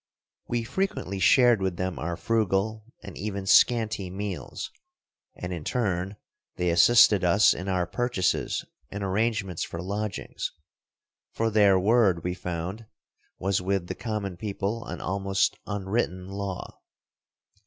We frequently shared with them our frugal, and even scanty meals; and in turn they assisted us in our purchases and arrangements for lodgings, for I their word, we found, was with the common people an almost unwritten law.